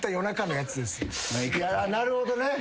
なるほどね。